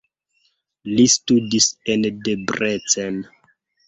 Li studis en Debrecen.